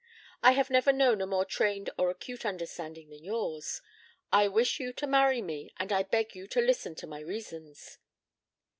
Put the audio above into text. I have never known a more trained or acute understanding than yours. I wish you to marry me, and I beg you to listen to my reasons."